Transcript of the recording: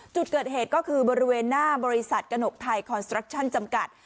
จุดเกิดเหตุก็คือบริเวณหน้าบริษัทกระหนกไทยคอนสตรักชั่นจำกัด